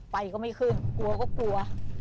ไฟก็ไม่ขึ้นกลัวก็กลัว